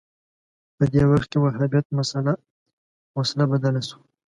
په دې وخت کې وهابیت مسأله وسله بدله شوه